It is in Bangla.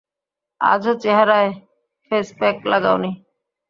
আজও চেহেরায় ফেসপ্যাক লাগাও নি?